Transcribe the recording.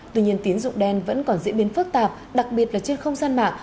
tuy nhiên tiến dụng đen vẫn còn diễn biến phức tạp đặc biệt là trên không gian mạng